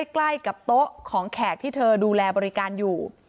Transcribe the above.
ใกล้กับโต๊ะของแขกที่เธอดูแลบริการอยู่